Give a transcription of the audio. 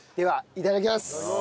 いただきます。